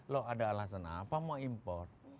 loh ada alasan apa mau impor